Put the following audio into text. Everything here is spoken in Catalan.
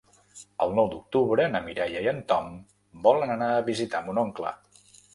El nou d'octubre na Mireia i en Tom volen anar a visitar mon oncle.